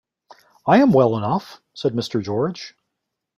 "I am well enough," says Mr. George.